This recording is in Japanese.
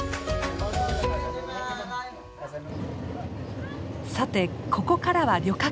さてここからは旅客列車。